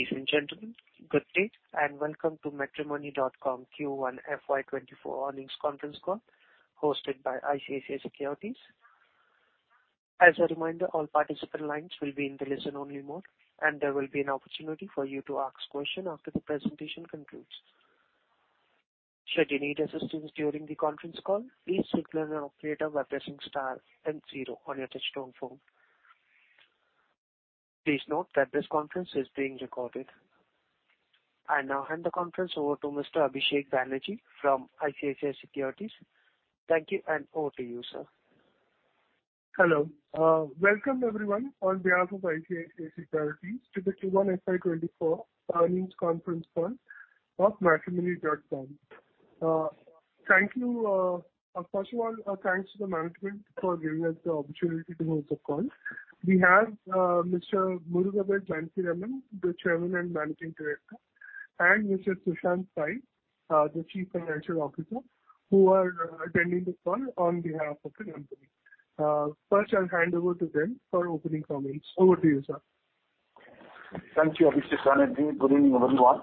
Ladies and gentlemen, good day, welcome to Matrimony.com Q1 FY 2024 earnings conference call, hosted by ICICI Securities. As a reminder, all participant lines will be in the listen-only mode, and there will be an opportunity for you to ask questions after the presentation concludes. Should you need assistance during the conference call, please signal an operator by pressing star then 0 on your touchtone phone. Please note that this conference is being recorded. I now hand the conference over to Mr. Abhishek Banerjee from ICICI Securities. Thank you, over to you, sir. Hello, welcome everyone on behalf of ICICI Securities to the Q1 FY 2024 earnings conference call of Matrimony.com. Thank you. First of all, thanks to the management for giving us the opportunity to host the call. We have Mr. Murugavel Janakiraman, the Chairman and Managing Director, and Mr. Sushanth Pai, the Chief Financial Officer, who are attending this call on behalf of the company. First I'll hand over to them for opening comments. Over to you, sir. Thank you, Abhishek. Good evening, everyone.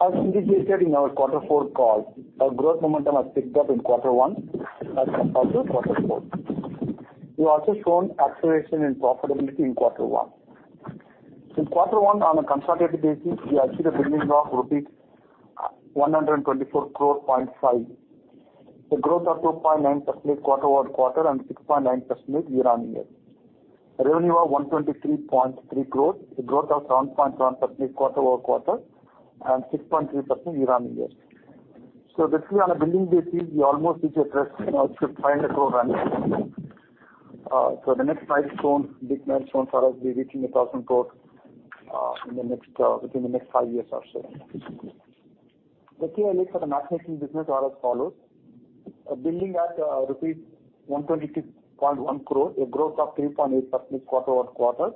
As indicated in our Quarter Four call, our growth momentum has picked up in Quarter One as compared to Quarter Four. We've also shown acceleration in profitability in Quarter One. In Quarter One, on a consolidated basis, we achieved a billing of rupees 124.5 crore. A growth of 2.9% quarter-over-quarter and 6.9% year-on-year. Revenue of 123.3 crore, a growth of 1.1% quarter-over-quarter and 6.3% year-on-year. Basically, on a billing basis, we almost reached a threshold of 5 crore annual revenue. The next milestone, big milestone, for us will be reaching 1,000 crore in the next within the next five years or so. The key highlights for the matchmaking business are as follows: billing at rupees 122.1 crore, a growth of 3.8% quarter-over-quarter,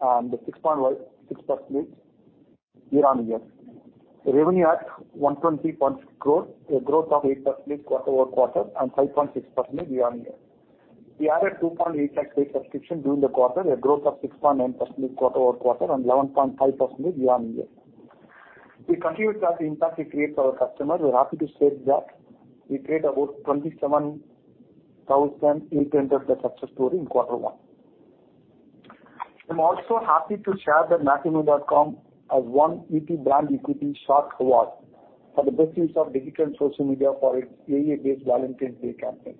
and 6.6% year-on-year. Revenue at 120.6 crore, a growth of 8% quarter-over-quarter and 5.6% year-on-year. We added 2.8 paid subscription during the quarter, a growth of 6.9% quarter-over-quarter and 11.5% year-on-year. We continue to have the impact we create for our customers. We're happy to state that we create about 27,000 happy ended success stories in Quarter One. I'm also happy to share that Matrimony.com has won ET Brand Equity SHOP Award for the best use of digital and social media for its AI-based Valentine's Day campaign.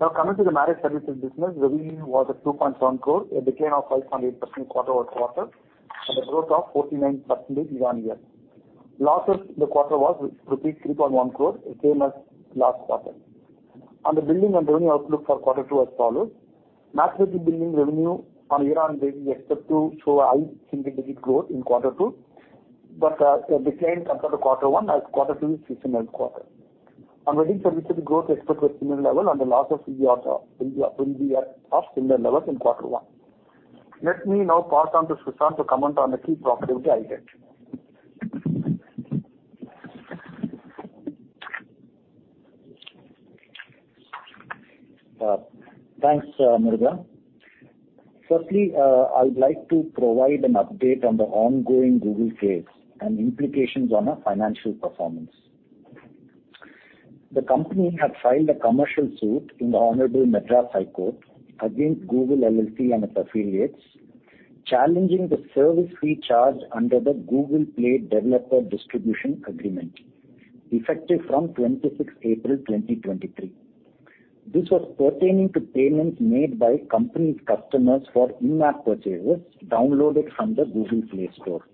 Now, coming to the marriage services business, revenue was at 2.7 crores, a decline of 5.8% quarter-over-quarter, and a growth of 49% year-on-year. Losses in the quarter was rupees 3.1 crores, the same as last quarter. The billing and revenue outlook for Quarter Two as follows: matchmaking billing revenue on a year-on basis, we expect to show a high single digit growth in Quarter Two, but, a decline compared to Quarter One, as Quarter Two is a seasonal quarter. On wedding services, growth is expected to similar level, and the losses will be also, will be, of similar levels in Quarter One. Let me now pass on to Sushant to comment on the key profitability highlights. Thanks, Murugavel. Firstly, I'd like to provide an update on the ongoing Google case and implications on our financial performance. The company had filed a commercial suit in the Honorable Madras High Court against Google LLC and its affiliates, challenging the service fee charged under the Google Play Developer Distribution Agreement, effective from 26th April, 2023. This was pertaining to payments made by company's customers for in-app purchases downloaded from the Google Play Store.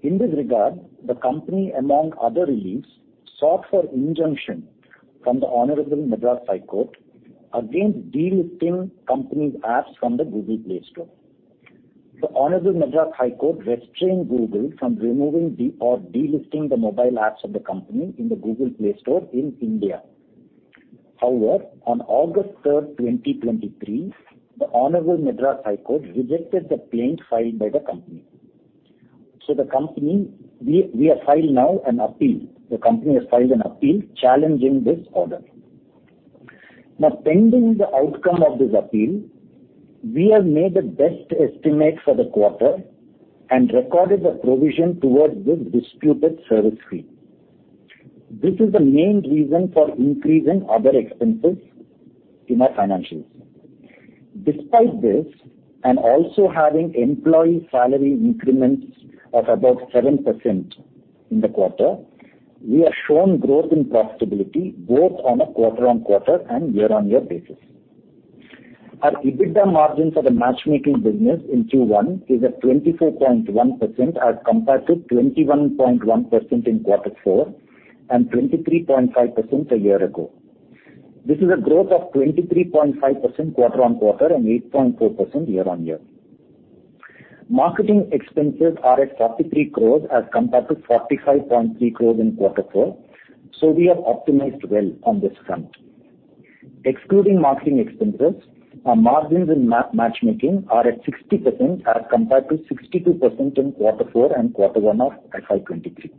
In this regard, the company, among other reliefs, sought for injunction from the Honorable Madras High Court against delisting company's apps from the Google Play Store. The Honorable Madras High Court restrained Google from removing or delisting the mobile apps of the company in the Google Play Store in India. On August 3rd, 2023, the Honorable Madras High Court rejected the plaint filed by the company. The company, we, we have filed now an appeal. The company has filed an appeal challenging this order. Now, pending the outcome of this appeal, we have made the best estimate for the quarter and recorded the provision towards this disputed service fee. This is the main reason for increase in other expenses in our financials. Despite this, and also having employee salary increments of about 7% in the quarter, we have shown growth in profitability both on a quarter-on-quarter and year-on-year basis. Our EBITDA margin for the matchmaking business in Q1 is at 24.1% as compared to 21.1% in Quarter Four, and 23.5% a year ago. This is a growth of 23.5% quarter-on-quarter and 8.4% year-on-year. Marketing expenses are at 43 crore as compared to 45.3 crore in Quarter Four. We have optimized well on this front. Excluding marketing expenses, our margins in matchmaking are at 60% as compared to 62% in Quarter Four and Quarter One of FY23.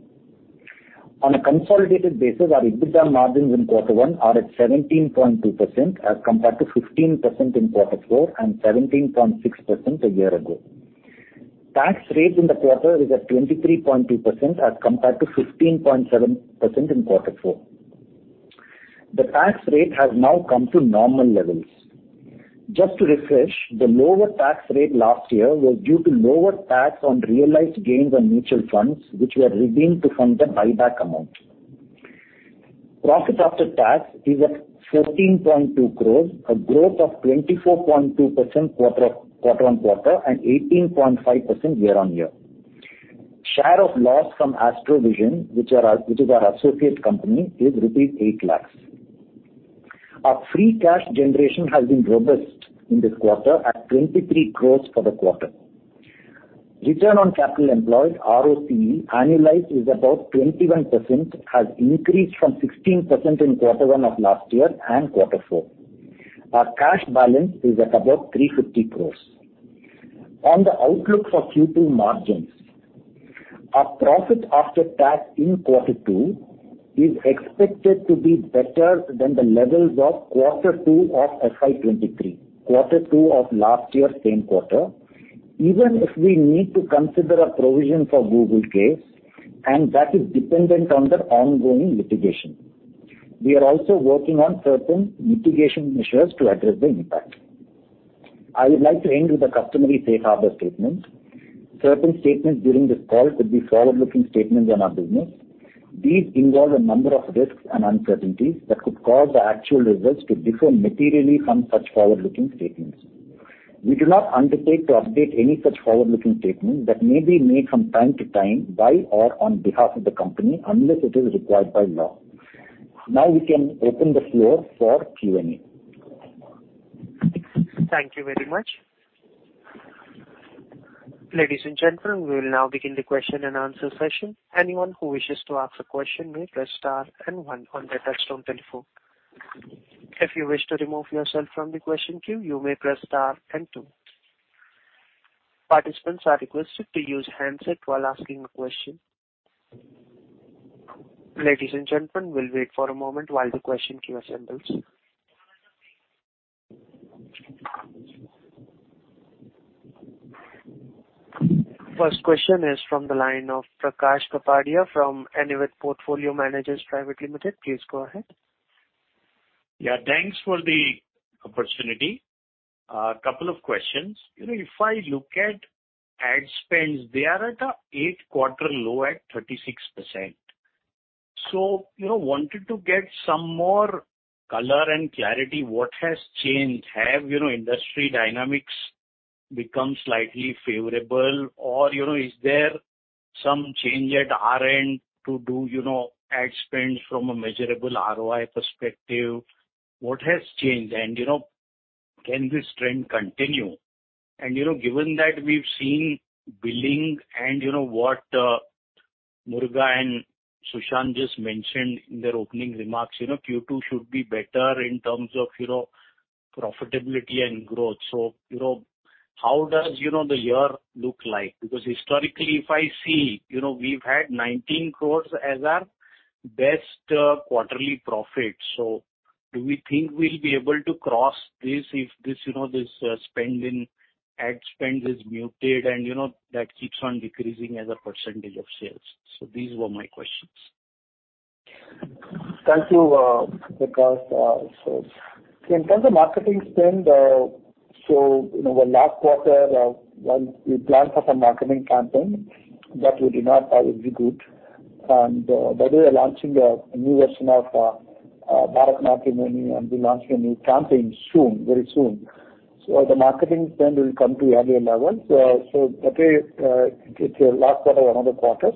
On a consolidated basis, our EBITDA margins in Quarter One are at 17.2% as compared to 15% in Quarter Four and 17.6% a year ago. Tax rate in the quarter is at 23.2% as compared to 15.7% in Quarter Four. The tax rate has now come to normal levels. Just to refresh, the lower tax rate last year was due to lower tax on realized gains on mutual funds, which were redeemed to fund the buyback amount. Profit after tax is at 14.2 crore, a growth of 24.2% quarter, quarter-on-quarter and 18.5% year-on-year. Share of loss from Astro-Vision, which is our associate company, is rupees 8 lakh. Our free cash generation has been robust in this quarter at 23 crore for the quarter. Return on capital employed, ROCE, annualized is about 21%, has increased from 16% in quarter one of last year and quarter four. Our cash balance is at about 350 crore. On the outlook for Q2 margins, our profit after tax in quarter two is expected to be better than the levels of quarter two of FY 2023, quarter two of last year, same quarter, even if we need to consider a provision for Google case, and that is dependent on the ongoing litigation. We are also working on certain mitigation measures to address the impact. I would like to end with the customary safe harbor statement. Certain statements during this call could be forward-looking statements on our business. These involve a number of risks and uncertainties that could cause the actual results to differ materially from such forward-looking statements. We do not undertake to update any such forward-looking statements that may be made from time to time by or on behalf of the company, unless it is required by law. We can open the floor for Q&A. Thank you very much. Ladies and gentlemen, we will now begin the question-and-answer session. Anyone who wishes to ask a question may press star and one on their touch-tone telephone. If you wish to remove yourself from the question queue, you may press star and two. Participants are requested to use handset while asking a question. Ladies and gentlemen, we'll wait for a moment while the question queue assembles. First question is from the line of Prakash Kapadia from Anived Portfolio Managers Private Limited. Please go ahead. Yeah, thanks for the opportunity. A couple of questions. You know, if I look at ad spends, they are at an eight-quarter low at 36%. Wanted to get some more color and clarity, what has changed? Have, you know, industry dynamics become slightly favorable? Is there some change at our end to do, you know, ad spends from a measurable ROI perspective? What has changed? Can this trend continue? Given that we've seen billing and, you know, what, Muruga and Sushant just mentioned in their opening remarks, you know, Q2 should be better in terms of, you know, profitability and growth. How does, you know, the year look like? Because historically, if I see, you know, we've had 19 crore as our best, quarterly profit. Do we think we'll be able to cross this if this, you know, this ad spend is muted and, you know, that keeps on decreasing as a percentage of sales? These were my questions. Thank you, Prakash. In terms of marketing spend, you know, the last quarter, when we planned for some marketing campaign, that we did not thought would be good. By the way, we are launching a new version of Bharat Matrimony and we're launching a new campaign soon, very soon. The marketing spend will come to earlier levels. That way, it's a last quarter, another quarter.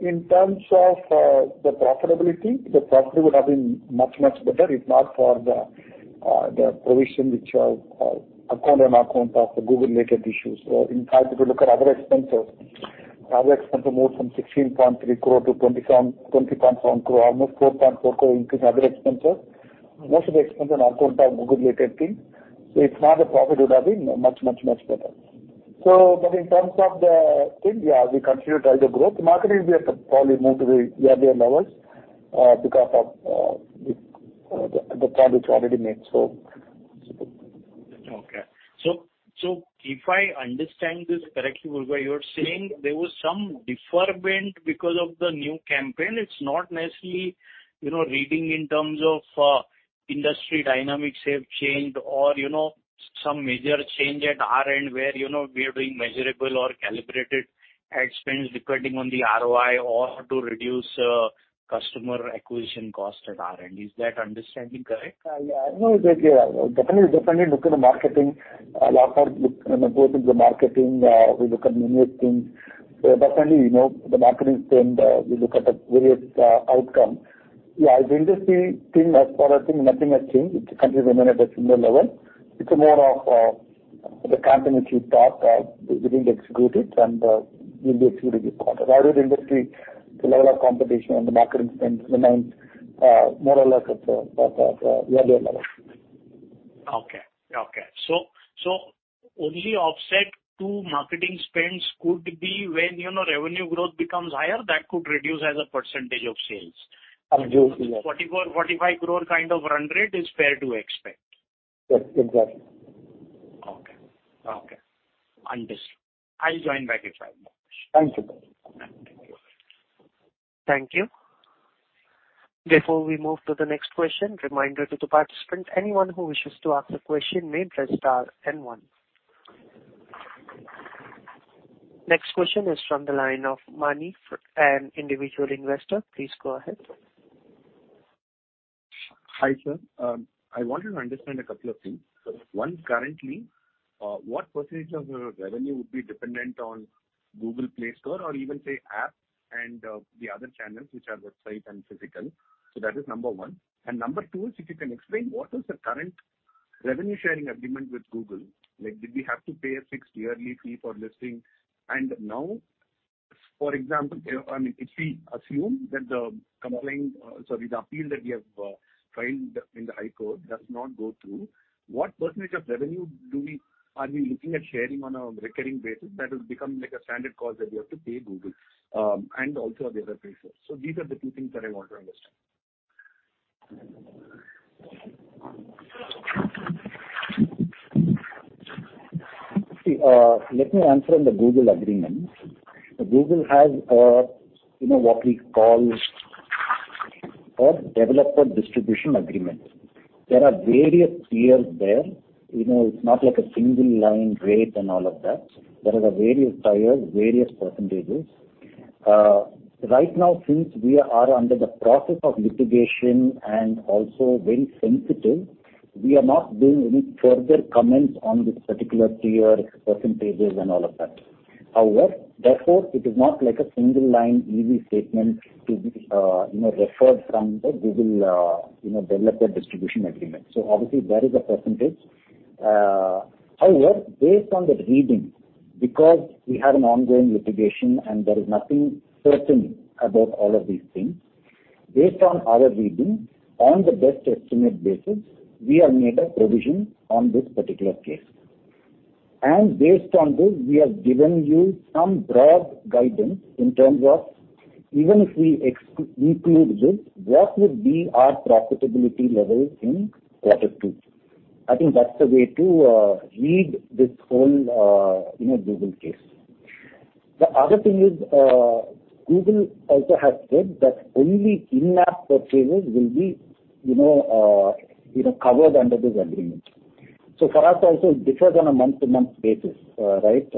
In terms of the profitability, the profitability would have been much, much better, if not for the provision which are on account of the Google-related issues. In fact, if you look at other expenses, other expenses moved from 16.3 crore to 20.1 crore, almost 4.4 crore increase in other expenses. Most of the expense on account of Google-related things. If not, the profit would have been much, much, much better. But in terms of the thing, yeah, we continue to drive the growth. The marketing will be at the, probably move to the earlier levels, because of the plan which we already made. Okay. So, if I understand this correctly, Muruga, you're saying there was some disturbance because of the new campaign. It's not necessarily, you know, reading in terms of industry dynamics have changed or, you know, some major change at our end where, you know, we are doing measurable or calibrated ad spends depending on the ROI or to reduce customer acquisition cost at our end. Is that understanding correct? Yeah, I know that, yeah, definitely, definitely look at the marketing. A lot of look, you know, go to the marketing, we look at numerous things. Definitely, you know, the marketing spend, we look at the various outcome. Yeah, the industry team, as far as I think, nothing has changed. It continues to remain at a similar level. It's more of the campaign which we thought we didn't execute it and will be executed this quarter. Rather, the industry, the level of competition and the marketing spends remains more or less at the, at the earlier level. Okay, okay. So only offset to marketing spends could be when, you know, revenue growth becomes higher, that could reduce as a % of sales? Absolutely, yes. 44-45 crore kind of run rate is fair to expect? Yes, exactly. Okay. Okay, understood. I'll join back if I have more questions. Thank you. Thank you. Before we move to the next question, reminder to the participants, anyone who wishes to ask a question may press star and one. Next question is from the line of Manish, an individual investor. Please go ahead. Hi, sir. I wanted to understand a couple of things. One, currently, what % of your revenue would be dependent on Google Play Store or even, say, app and the other channels, which are website and physical? That is number 1. Number 2 is, if you can explain, what is the current revenue sharing agreement with Google? Like, did we have to pay a fixed yearly fee for listing? Now, for example, I mean, if we assume that the complaint, sorry, the appeal that we have filed in the High Court does not go through, what % of revenue do we-- are we looking at sharing on a recurring basis that will become like a standard cost that we have to pay Google, and also the other places? These are the 2 things that I want to understand. See, let me answer on the Google agreement. Google has a, you know, what we call a Developer Distribution Agreement. There are various tiers there. You know, it's not like a single line rate and all of that. There are various tiers, various percentages. Right now, since we are under the process of litigation and also very sensitive, we are not doing any further comments on this particular tier, percentages, and all of that. Therefore, it is not like a single line easy statement to be, you know, referred from the Google, you know, Developer Distribution Agreement. Obviously, there is a percentage. Based on that reading, because we have an ongoing litigation, and there is nothing certain about all of these things, based on our reading, on the best estimate basis, we have made a provision on this particular case. Based on this, we have given you some broad guidance in terms of even if we include this, what would be our profitability level in Q2? I think that's the way to read this whole, you know, Google case. The other thing is Google also has said that only in-app purchases will be, you know, covered under this agreement. For us, also, it differs on a month-to-month basis, right?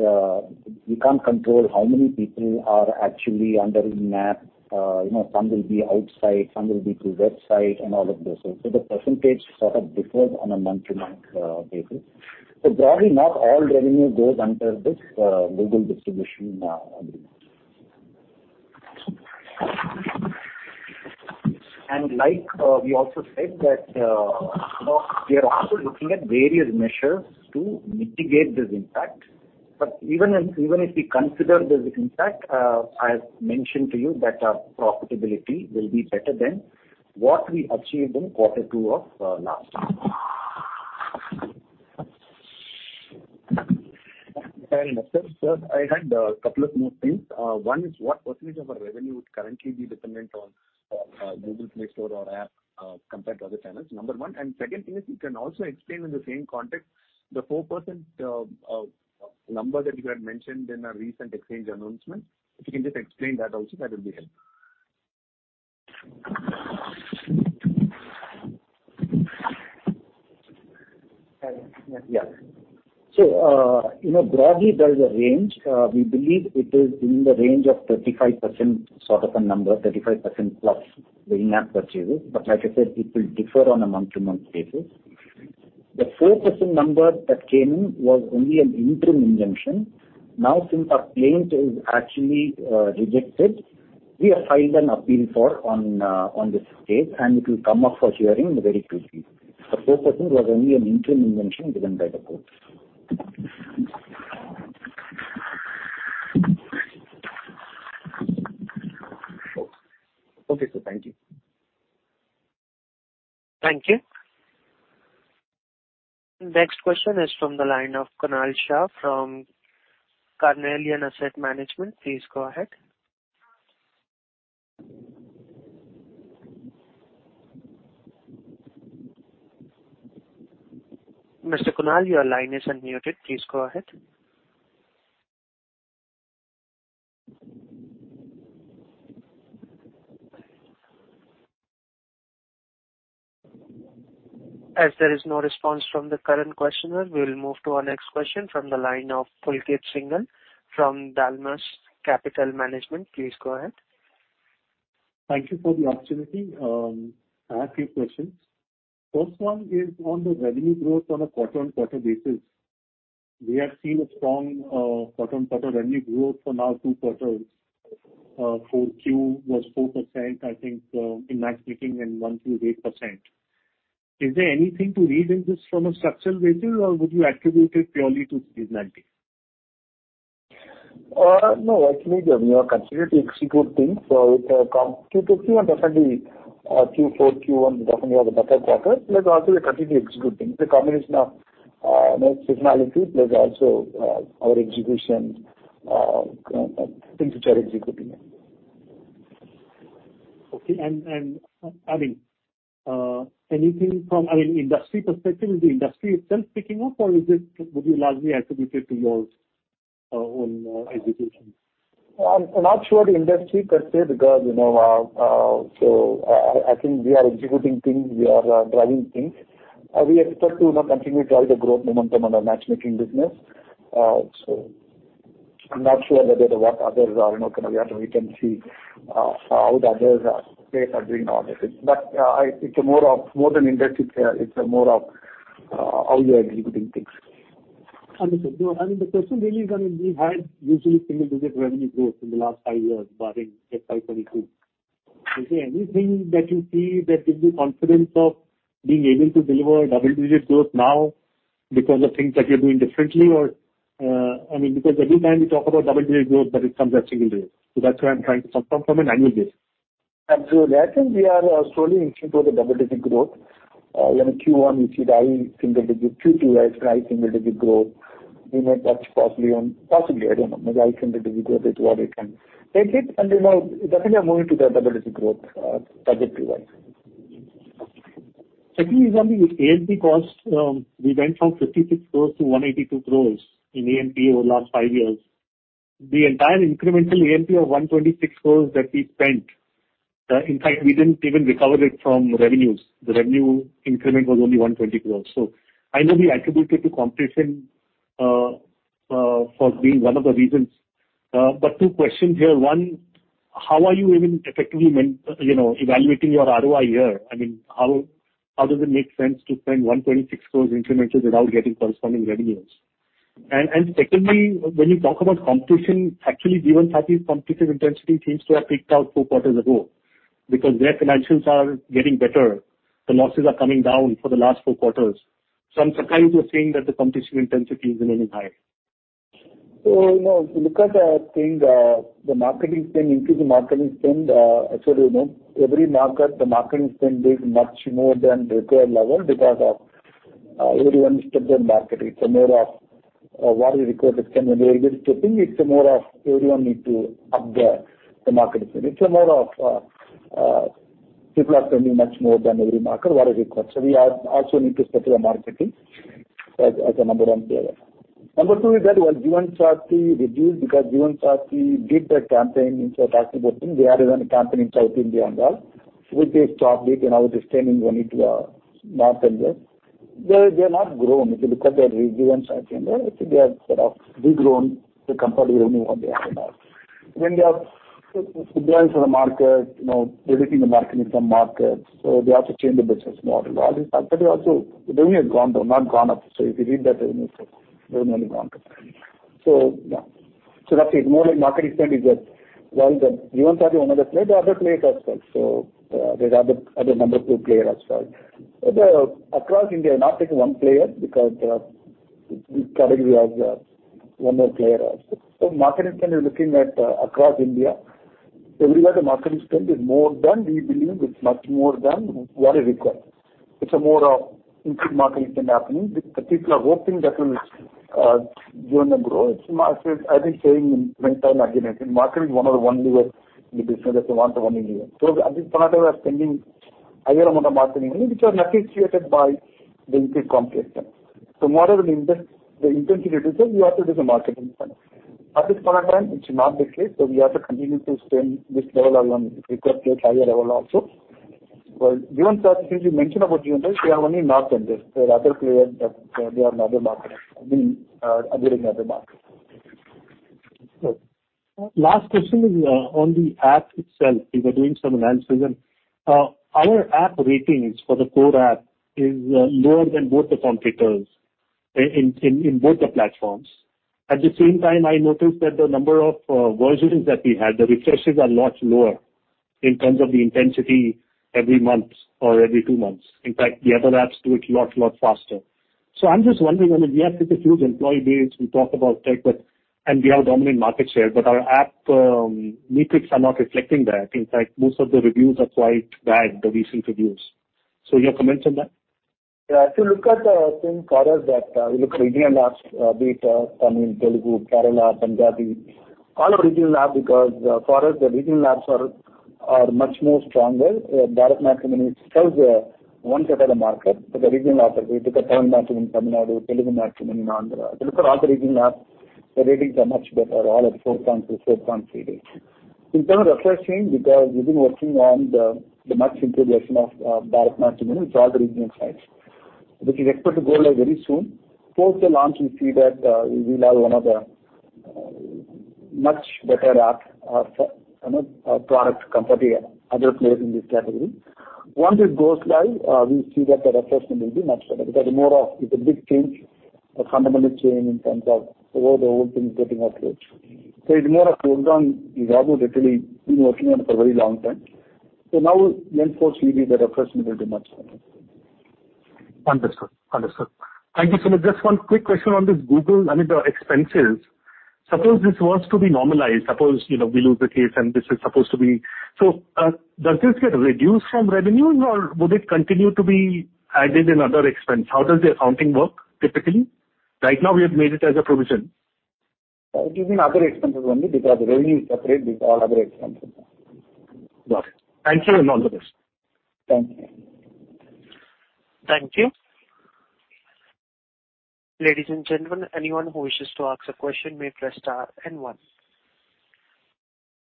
We can't control how many people are actually under in-app. You know, some will be outside, some will be through website and all of this. The percentage sort of differs on a month-to-month basis. Broadly, not all revenue goes under this Google distribution agreement. Like, you know, we are also looking at various measures to mitigate this impact. Even if, even if we consider this impact, I have mentioned to you that our profitability will be better than what we achieved in quarter two of last year. Sir, sir, I had a couple of more things. One is, what percentage of our revenue would currently be dependent on Google Play Store or app compared to other channels? Number one. Second thing is, you can also explain in the same context, the 4% number that you had mentioned in a recent exchange announcement. If you can just explain that also, that will be helpful. Yeah. You know, broadly, there is a range. We believe it is in the range of 35%, sort of a number, 35% plus the in-app purchases. Like I said, it will differ on a month-to-month basis. The 4% number that came in was only an interim injunction. Since our claim is actually rejected, we have filed an appeal for on this case, and it will come up for hearing very quickly. The 4% was only an interim injunction given by the court. Okay. Okay, sir. Thank you. Thank you. Next question is from the line of Kunal Shah from Carnelian Asset Management. Please go ahead. Mr. Kunal, your line is unmuted. Please go ahead. As there is no response from the current questioner, we'll move to our next question from the line of Pulkit Singhal from Dalmus Capital. Please go ahead. Thank you for the opportunity. I have few questions. First one is on the revenue growth on a quarter-on-quarter basis. We have seen a strong quarter-on-quarter revenue growth for now two quarters. For Q was 4%, I think, in my speaking, and 1%-8%. Is there anything to read in this from a structural basis, or would you attribute it purely to seasonality? No, actually, we are considering to execute things. It come Q2Q and definitely, Q4, Q1, definitely have a better quarter. Also we are continuing executing. It's a combination of, you know, seasonality, plus also, our execution, things which are executing. Okay. I mean, anything from, I mean, industry perspective, is the industry itself picking up, or is it, would you largely attribute it to your, own, execution? I'm, I'm not sure the industry per se, because, you know, I, I, I think we are executing things, we are driving things. We expect to, you know, continue to drive the growth momentum on our matchmaking business. I'm not sure whether the what others are, you know, kind of, we can see, how the others are, they are doing all this. I think more of, more than industry care, it's a more of, how you are executing things. Understood. No, I mean, the question really is, I mean, we've had usually single-digit revenue growth in the last five years, barring FY22. Is there anything that you see that gives you confidence of being able to deliver double-digit growth now because of things that you're doing differently? Or, I mean, because every time you talk about double-digit growth, but it comes as single digit. So that's why I'm trying to confirm from an annual basis. Absolutely. I think we are slowly inching toward the double-digit growth. In Q1, you see the high single-digit, Q2, high single-digit growth. We may touch possibly on, possibly, I don't know, maybe high single-digit growth is what we can take it, then now, definitely are moving to the double-digit growth, budget-wise. Secondly, on the A&P costs, we went from 56 crores to 182 crores in A&P over the last 5 years. The entire incremental A&P of 126 crores that we spent, in fact, we didn't even recover it from revenues. The revenue increment was only 120 crores. I know we attribute it to competition for being one of the reasons. Two questions here: One, how are you even effectively you know, evaluating your ROI here? I mean, how, how does it make sense to spend 126 crores incremental without getting corresponding revenues? Secondly, when you talk about competition, actually, given Saathi's competitive intensity seems to have peaked out 4 quarters ago because their connections are getting better, the losses are coming down for the last 4 quarters. I'm surprised you're saying that the competition intensity is remaining high. You know, if you look at the thing, the marketing spend, increase in marketing spend, you know, every market, the marketing spend is much more than required level because of everyone step in market. It's a more of what is required. It can be able to think, it's a more of everyone need to up the marketing spend. It's a more of people are spending much more than every market, what is required. We are also need to step your marketing as, as a number one player. Number two is that when Jeevansathi reduced, because JeevanSathi did a campaign, which we're talking about them, they are doing a campaign in South India and all, which they've stopped it, and now they're extending only to North India. They, they have not grown. If you look at the JeevanSathi, I think they are sort of regrown compared to only what they have. They have balance in the market, you know, reducing the marketing some markets. They also change the business model, all these parts. They also the revenue have gone down, not gone up. If you read that, the revenue have only gone down. Yeah. That's it. More like marketing spend is just while the JeevanSathi are 1 of the player, the other player as well. There's other, other number 2 player as well. The across India, not taking 1 player, because, we category of, 1 more player also. Marketing spend, we're looking at, across India. Everywhere, the marketing spend is more than we believe it's much more than what is required. It's a more of increased marketing spend happening. The, the people are hoping that will join the growth. I think saying many times again, I think marketing is one of the one leader in the business, that's the one, the one leader. At this point, we are spending higher amount of marketing, which are necessitated by the increased competition. More of, the intensity reduces, we have to do the marketing spend. At this point in time, it's not the case, we have to continue to spend this level of on required, plus higher level also. Well, JeevanSathi, since you mentioned about JeevanSathi, we have only North India. Other player, that they are another marketer, I mean, other another marketer. Last question is on the app itself, we were doing some analysis. Our app ratings for the core app is lower than both the competitors in both the platforms. At the same time, I noticed that the number of versions that we had, the refreshes are lot lower in terms of the intensity every month or every two months. In fact, the other apps do it lot, lot faster. I'm just wondering, I mean, we have such a huge employee base, we talk about tech, and we have dominant market share, but our app metrics are not reflecting that. In fact, most of the reviews are quite bad, the recent reviews. You have comments on that? Yeah, if you look at the same product that, we look at regional apps, be it, Tamil, Telugu, Kerala, Punjabi, all are regional app, because, for us, the regional apps are, are much more stronger. BharatMatrimony serves 1/3 of the market, but the regional app, if you look at TamilMatrimony in Tamil Nadu, TeluguMatrimony in Andhra, if you look at all the regional apps, the ratings are much better, all at 4.2, 4.3. In terms of refreshing, because we've been working on the, the much improvement of, BharatMatrimony with all the regional sites. Which is expected to go live very soon. Post the launch, we see that, we will have one of the, much better app, you know, product compared to other players in this category. Once it goes live, we see that the refreshment will be much better, because more of it's a big change, a fundamental change in terms of the way the whole thing is getting approached. It's more of work on, we have literally been working on it for a very long time. Now, then fortunately, the refreshment will be much better. Understood, understood. Thank you so much. Just one quick question on this Google, I mean, the expenses. Suppose this was to be normalized, suppose, you know, we lose the case, and this is supposed to be-- Does this get reduced from revenue, or would it continue to be added in other expense? How does the accounting work, typically? Right now, we have made it as a provision. It is in other expenses only, because revenue is separate with all other expenses. Got it. Thank you, and all the best. Thank you. Thank you. Ladies and gentlemen, anyone who wishes to ask a question may press star and one.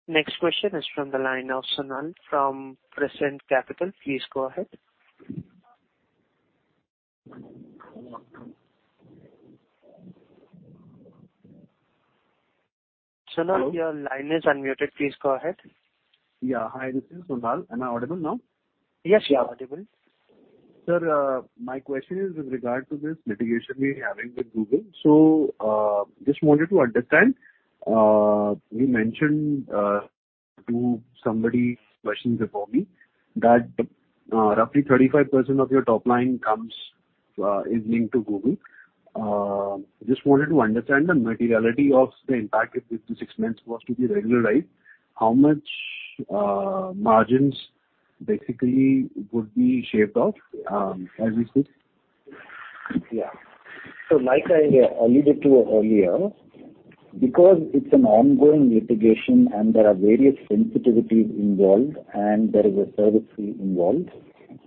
Next question is from the line of Sonal from Prescient Capital. Please go ahead. Sonal, your line is unmuted. Please go ahead. Yeah. Hi, this is Sonal. Am I audible now? Yes, you are audible. Sir, my question is with regard to this litigation we're having with Google. Just wanted to understand, you mentioned to somebody's questions before me, that roughly 35% of your top line comes, is linked to Google. Just wanted to understand the materiality of the impact if this expense was to be regularized, how much margins basically would be shaved off, as you said? Yeah. Like I alluded to earlier, because it's an ongoing litigation and there are various sensitivities involved, and there is a service fee involved.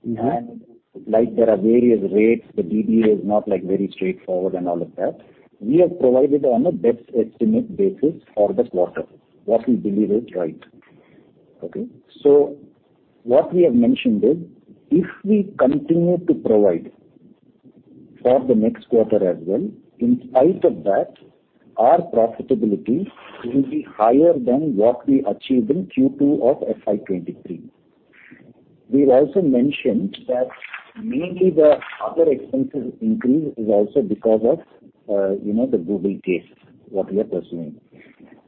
Mm-hmm. Like, there are various rates, the DD is not, like, very straightforward and all of that. We have provided on a best estimate basis for the quarter, what we believe is right. Okay? What we have mentioned is, if we continue to provide for the next quarter as well, in spite of that, our profitability will be higher than what we achieved in Q2 of FY 2023. We've also mentioned that mainly the other expenses increase is also because of, you know, the Google case, what we are pursuing.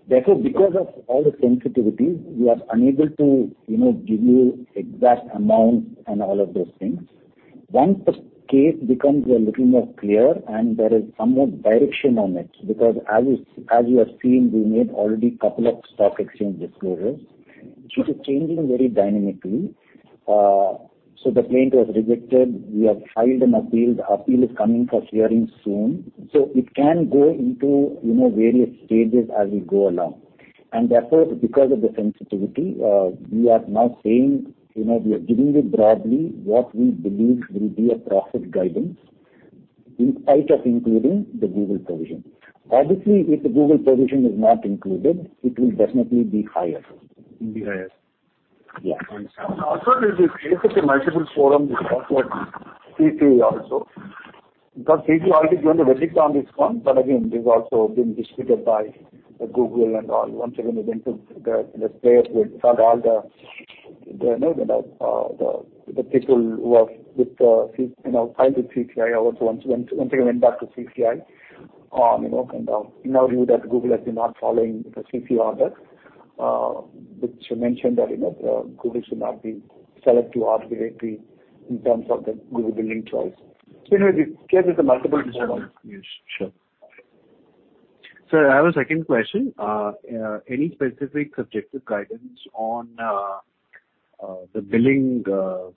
Because of all the sensitivities, we are unable to, you know, give you exact amounts and all of those things. Once the case becomes a little more clear and there is some more direction on it, because as you, as you have seen, we made already couple of stock exchange disclosures. It is changing very dynamically. The plaintiff was rejected. We have filed an appeal. The appeal is coming for hearing soon. It can go into, you know, various stages as we go along. Therefore, because of the sensitivity, we are now saying, you know, we are giving you broadly what we believe will be a profit guidance, in spite of including the Google provision. Obviously, if the Google provision is not included, it will definitely be higher. It will be higher. Yeah. Also, the case is a multiple forum, because of CCI also. CCI already given the verdict on this one, again, this is also been disputed by the Google and all. Once again, the, the, the players will start all the, the, you know, the, the, the people who are with the You know, filed with CCI also once, once again went back to CCI, you know, kind of, in our view, that Google has been not following the CCI orders, which mentioned that, you know, Google should not be allowed to arbitrarily in terms of the Google billing choice. Anyway, this case is a multiple one. Yes, sure. Sir, I have a second question. Any specific subjective guidance on the billing,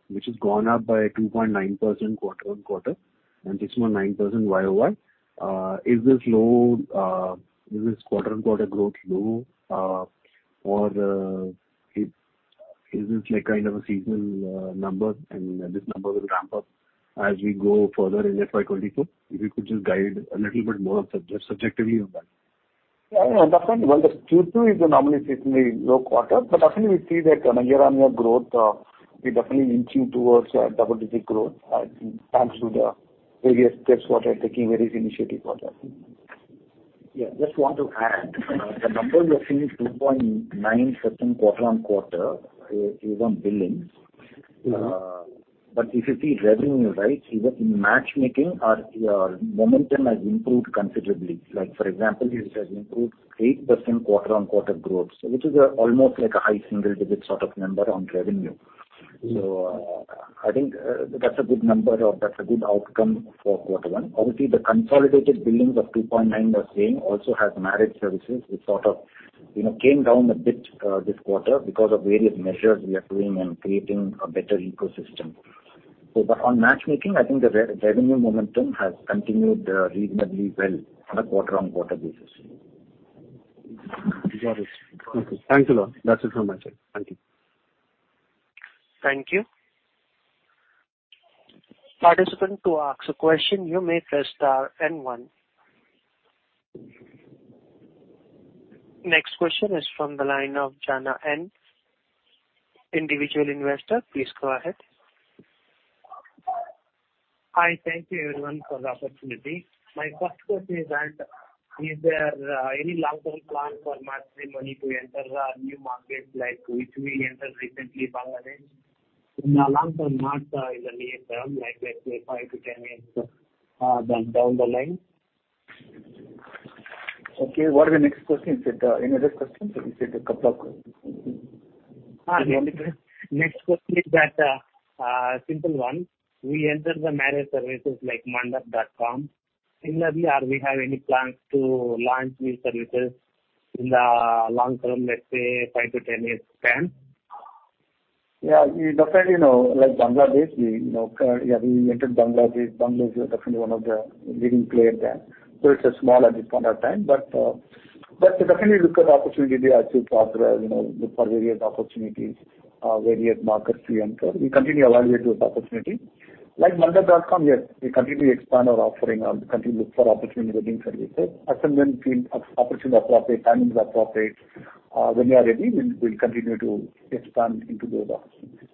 which has gone up by 2.9% quarter-on-quarter, and this one, 9% Y-o-Y? Is this low? Is this quarter-on-quarter growth low, or is this like kind of a seasonal number, and this number will ramp up as we go further in FY 2022? If you could just guide a little bit more subjectively on that. Yeah, definitely. Well, the Q2 is a normally seasonally low quarter, but actually we see that on a year-on-year growth, we're definitely inching towards a double-digit growth, thanks to the various steps what we are taking, various initiatives what we are taking. Yeah, just want to add, the number you are seeing is 2.9% quarter-on-quarter is on billing. Mm-hmm. If you see revenue, right, in matchmaking, our momentum has improved considerably. Like, for example, it has improved 8% quarter-on-quarter growth, so which is almost like a high single-digit sort of number on revenue. Mm-hmm. That's a good number or that's a good outcome for quarter one. Obviously, the consolidated billings of 2.9 we're saying also has marriage services, which sort of, you know, came down a bit this quarter because of various measures we are doing and creating a better ecosystem. But on matchmaking, I think the revenue momentum has continued reasonably well on a quarter-on-quarter basis. Got it. Okay. Thank you, lot. That's it from my side. Thank you. Thank you. Participant, to ask a question, you may press star and 1. Next question is from the line of Jana N, individual investor. Please go ahead. Hi, thank you everyone for the opportunity. My first question is that, is there any long-term plan foR uncertain to enter the new markets like which we entered recently, Bangladesh? In the long term, not in the near term, like, let's say 5 to 10 years down, down the line. Okay, what are the next question? Is it any other question? You said a couple of questions. Next question is that, a simple one. We enter the marriage services like Mandap.com. Similarly, are we have any plans to launch new services in the long term, let's say, 5-10 years span? Yeah, we definitely know, like, Bangladesh, we know. Yeah, we entered Bangladesh. Bangladesh is definitely one of the leading player there. It's a small at this point of time, but we definitely look at the opportunity. We actually look for, you know, look for various opportunities, various markets to enter. We continue to evaluate those opportunities. Like Mandap.com, yes, we continue to expand our offering and continue to look for opportunity within services. Then if opportunity is appropriate, timing is appropriate, when we are ready, we'll, we'll continue to expand into those opportunities.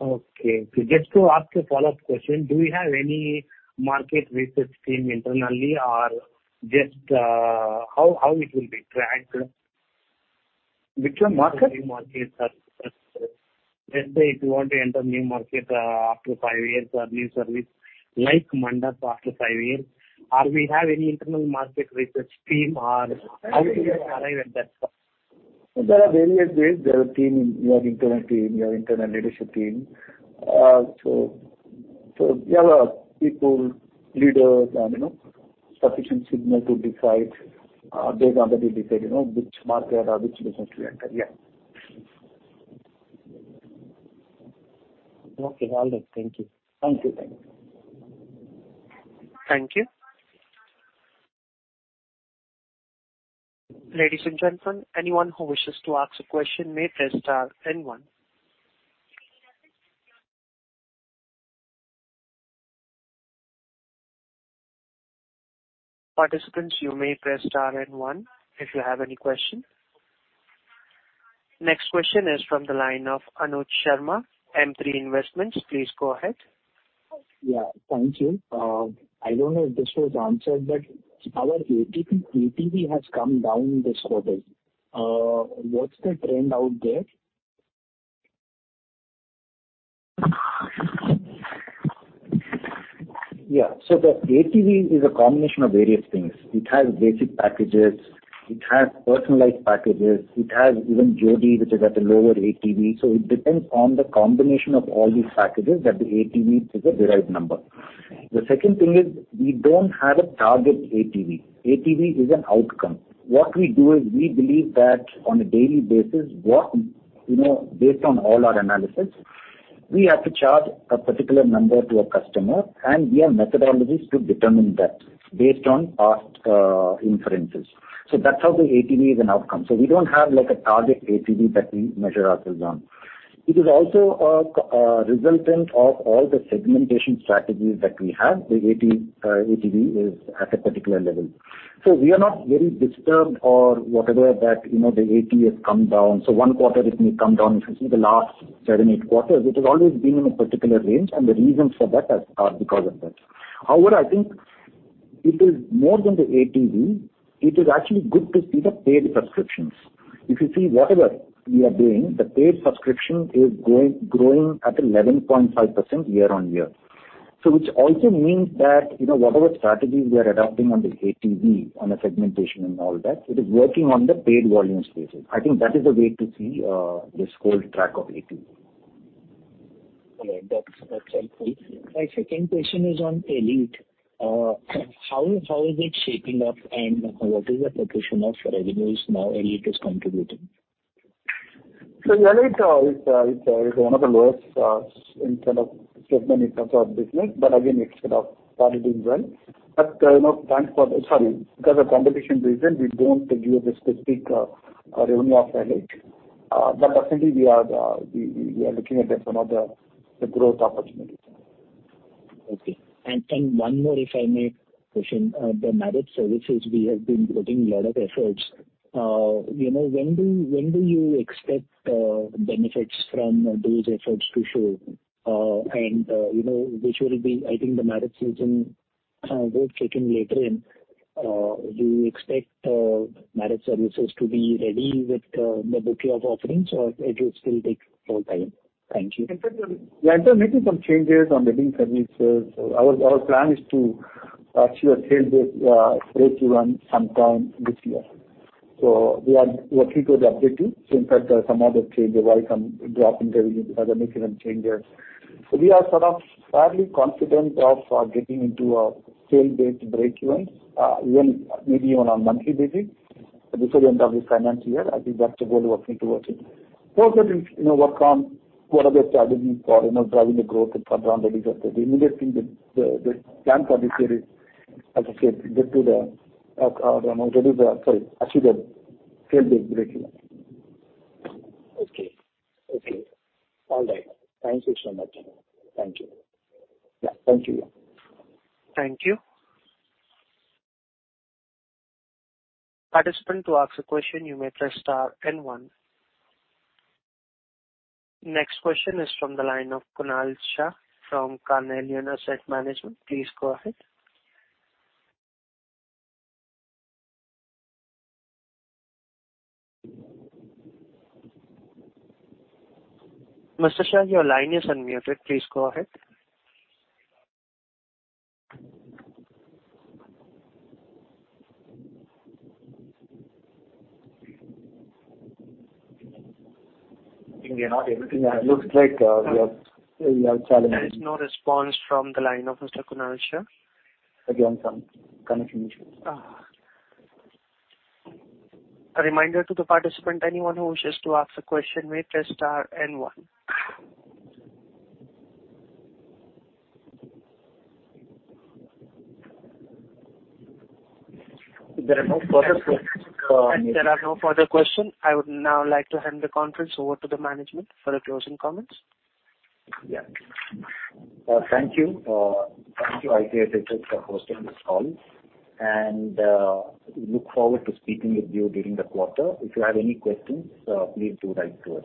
Okay. Just to ask a follow-up question, do we have any market research team internally or just... How, how it will be tracked? Which one? Market? Market, sir. Let's say, if you want to enter new market, after 5 years or new service, like Manda, after 5 years, are we have any internal market research team or how do you arrive at that point? There are various ways. There are team, your internal team, your internal leadership team. we have a people, leaders and, you know, sufficient signal to decide, based on the decide, you know, which market or which business to enter. Okay. All right. Thank you. Thank you. Thank you. Thank you. Ladies and gentlemen, anyone who wishes to ask a question may press star and one. Participants, you may press star and one if you have any question. Next question is from the line of Anuj Sharma, M3 Investment. Please go ahead. Yeah, thank you. I don't know if this was answered, but our ATV, ATV has come down this quarter. What's the trend out there? The ATV is a combination of various things. It has basic packages, it has personalized packages, it has even Jodii, which is at the lower ATV. It depends on the combination of all these packages that the ATV is a derived number. The second thing is, we don't have a target ATV. ATV is an outcome. What we do is we believe that on a daily basis, what, you know, based on all our analysis, we have to charge a particular number to a customer, and we have methodologies to determine that based on our inferences. That's how the ATV is an outcome. We don't have, like, a target ATV that we measure ourselves on. It is also a resultant of all the segmentation strategies that we have. The ATV is at a particular level. We are not very disturbed or whatever, that, you know, the ATV has come down. One quarter, it may come down. If you see the last 7, 8 quarters, it has always been in a particular range, and the reasons for that are because of that. However, I think it is more than the ATV, it is actually good to see the paid subscriptions. If you see whatever we are doing, the paid subscription is growing, growing at 11.5% year-on-year. Which also means that, you know, whatever strategies we are adopting on the ATV, on the segmentation and all that, it is working on the paid volume spaces. I think that is the way to see this whole track of ATV. All right. That's, that's helpful. My second question is on EliteMatrimony. How, how is it shaping up and what is the proportion of revenues now EliteMatrimony is contributing? EliteMatrimony is one of the lowest in terms of segment, in terms of business, but again, it's sort of fairly doing well. You know, thanks for... Sorry, because of competition reason, we don't give a specific revenue of EliteMatrimony, but definitely we are, we are looking at some of the, the growth opportunities. Okay. One more, if I may question. The marriage services, we have been putting a lot of efforts. You know, when do, when do you expect benefits from those efforts to show? You know, which will be, I think, the marriage season will kick in later. Do you expect marriage services to be ready with the bouquet of offerings, or it will still take some time? Thank you. We are still making some changes on the wedding services. Our, our plan is to actually achieve a sales breakeven sometime this year. We are working towards updating. In fact, there are some other changes, why some drop in the revenue, as I making some changes. We are sort of fairly confident of getting into a sales-based breakeven even maybe on a monthly basis, before the end of this financial year. I think that's the goal we're working towards it. Also to, you know, work on what are the strategies for, you know, driving the growth and for ground deliveries. The immediate thing, the, the plan for this year is, as I said, get to the, sorry, achieve the sales breakeven. Okay. Okay. All right. Thank you so much. Thank you. Yeah. Thank you. Thank you. Participant, to ask a question, you may press star and one. Next question is from the line of Kunal Shah from Carnelian Asset Management. Please go ahead. Mr. Shah, your line is unmuted. Please go ahead. I think we are not able. Yeah, it looks like we are, we are challenging. There is no response from the line of Mr. Kunal Shah. Again, some connection issue. A reminder to the participant, anyone who wishes to ask a question, may press star 1. If there are no further questions. There are no further questions, I would now like to hand the conference over to the management for the closing comments. Yeah. Thank you. Thank you, ICICI, for hosting this call, and we look forward to speaking with you during the quarter. If you have any questions, please do write to us.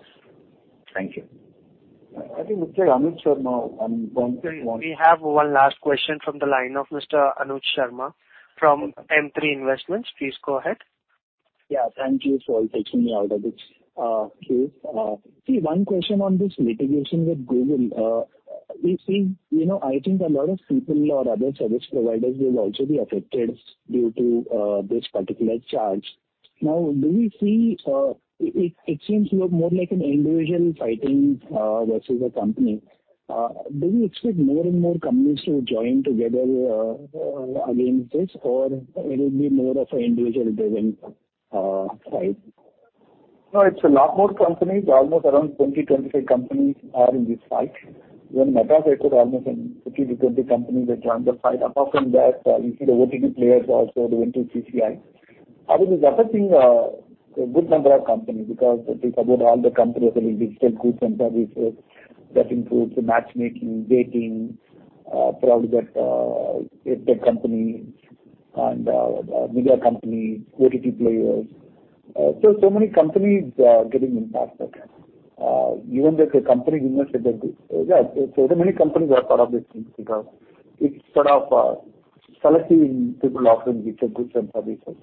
Thank you. I think Mr. Anuj Sharma on the phone. We, we have one last question from the line of Mr. Anuj Sharma from M3 Investment. Please go ahead. Yeah, thank you for taking me out of this queue. See, one question on this litigation with Google. We see, you know, I think a lot of people or other service providers will also be affected due to this particular charge. Now, do we see... It, it, it seems more like an individual fighting versus a company. Do you expect more and more companies to join together against this, or it will be more of an individual-driven fight? No, it's a lot more companies. Almost around 20-25 companies are in this fight. Even Meta, they put almost in 15-20 companies that joined the fight. Apart from that, you see the OTT players also went to CCI. I mean, it's affecting a good number of companies because it is about all the companies selling digital goods and services. That includes the matchmaking, dating, product, EdTech companies and media companies, OTT players. So, so many companies are getting impacted. Even there's a company, Universal Group. Yeah, so there are many companies are part of this group because it's sort of, selecting people offering digital goods and services.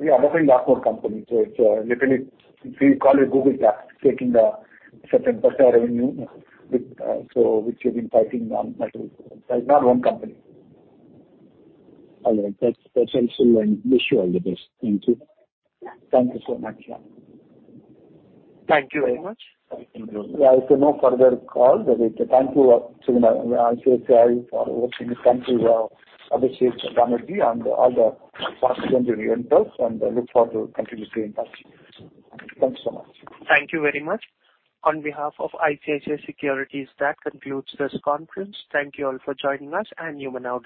Affecting lot more companies, so it's, definitely, if you call it Google tax, taking a certain percent of revenue, with, so which we've been fighting on, but it's not one company. All right. That's, that's useful, wish you all the best. Thank you. Thank you so much. Yeah. Thank you very much. If no further call, thank you, to ICICI for hosting this call. Thank you, Abhishek Banerjee, and all the participants and the investors, and I look forward to continue staying in touch. Thank you so much. Thank you very much. On behalf of ICICI Securities, that concludes this conference. Thank you all for joining us. You may now disconnect.